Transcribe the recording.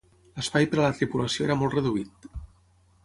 L'espai per la tripulació era molt reduït.